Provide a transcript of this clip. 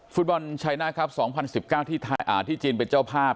ฟุตบอลชัยหน้าครับ๒๐๑๙ที่จีนเป็นเจ้าภาพ